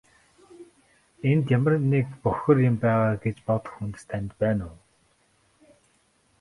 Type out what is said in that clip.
Энд ямар нэг бохир юм байгаа гэж бодох үндэс танд байна уу?